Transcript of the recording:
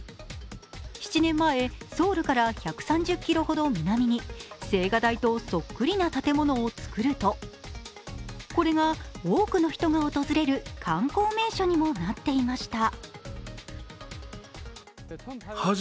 ７年前、ソウルから１３０ｋｍほど南に青瓦台とそっくりな建物を造るとこれが、多くの人が訪れる観光名所にもなっていました。